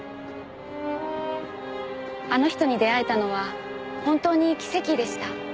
あの人に出会えたのは本当に奇跡でした。